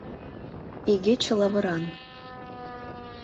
Игече лавыран.